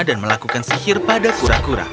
dan melakukan sihir pada kura kura